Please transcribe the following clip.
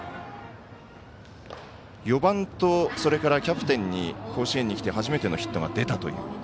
４番と、それからキャプテンに甲子園にきて初めてのヒットが出たという。